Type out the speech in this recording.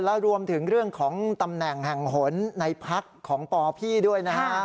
และรวมถึงเรื่องของตำแหน่งแห่งหนในพักของปพี่ด้วยนะฮะ